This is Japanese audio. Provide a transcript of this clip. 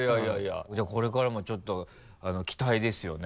じゃあこれからもちょっと期待ですよね